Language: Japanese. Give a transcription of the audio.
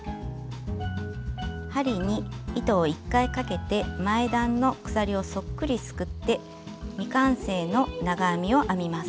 針に糸を１回かけて前段の鎖をそっくりすくって未完成の長編みを編みます。